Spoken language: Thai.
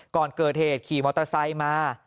ก่อนเกิดเหตุขี่มอเตอร์ไซค์มา